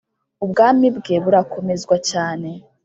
ubwami bwe burakomezwa cyane.